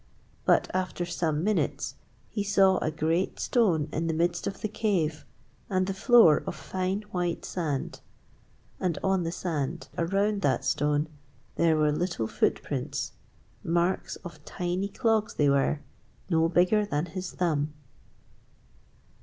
But after some minutes he saw a great stone in the midst of the cave and the floor of fine white sand. And on the sand around that stone there were little footprints marks of tiny clogs they were, no bigger than his thumb!